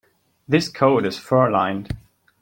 This coat is fur-lined.